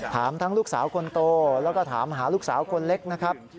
ถามทั้งลูกสาวคนโตแล้วก็ถามหาลูกสาวคนเล็กนะครับ